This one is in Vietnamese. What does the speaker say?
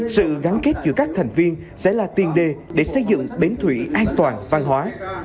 sự gắn kết giữa các thành viên sẽ là tiền đề để xây dựng bến thủy an toàn văn hóa